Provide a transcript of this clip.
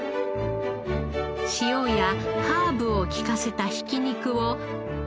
塩やハーブを利かせたひき肉を。